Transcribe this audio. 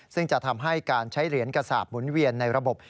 ซึ่งจะทำให้การใช้เหรียญกระสาปหมุนเวียนในระบบ